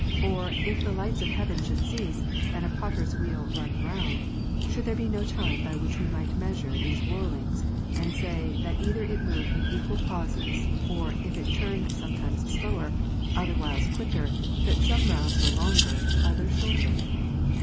Or, if the lights of heaven should cease, and a potter's wheel run round, should there be no time by which we might measure those whirlings, and say, that either it moved with equal pauses, or if it turned sometimes slower, otherwhiles quicker, that some rounds were longer, other shorter